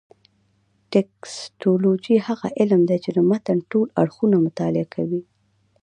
ټکسټولوجي هغه علم دﺉ، چي د متن ټول اړخونه مطالعه کوي.